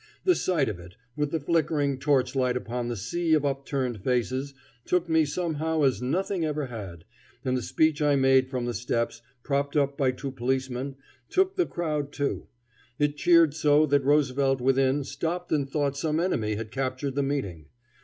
The sight of it, with the flickering torchlight upon the sea of upturned faces, took me somehow as nothing ever had, and the speech I made from the steps, propped up by two policemen, took the crowd, too; it cheered so that Roosevelt within stopped and thought some enemy had captured the meeting.